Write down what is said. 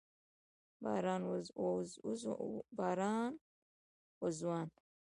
باران و ځوان